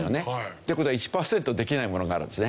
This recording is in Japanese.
って事は１パーセントできないものがあるんですね。